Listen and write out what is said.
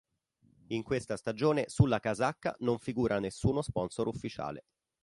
In questa stagione sulla casacca non figura nessuno sponsor ufficiale.